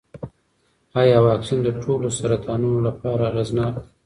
ایا واکسین د ټولو سرطانونو لپاره اغېزناک دی؟